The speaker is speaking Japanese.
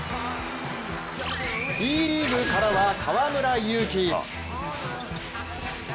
Ｂリーグからは河村勇輝。